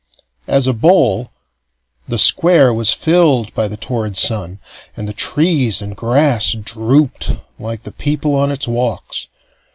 _] As a bowl, the Square was filled by the torrid sun, and the trees and grass drooped like the people on its walks.